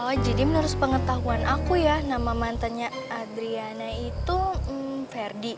oh jadi menurut pengetahuan aku ya nama mantannya adriana itu ferdi